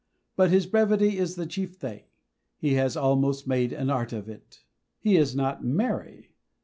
But his brevity is the chief thing; he has almost made an art of it. He is not "merry."